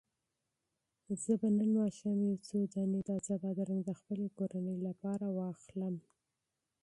زه به نن ماښام یو څو دانې تازه بادرنګ د خپلې کورنۍ لپاره واخلم.